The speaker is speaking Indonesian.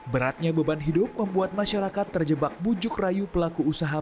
beratnya beban hidup membuat masyarakat terjebak bujuk rayu pelaku usaha